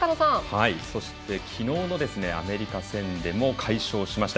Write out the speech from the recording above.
そしてきのうのアメリカ戦でも快勝しました。